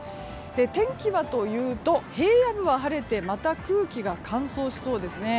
天気はというと平野部は晴れてまた空気が乾燥しそうですね。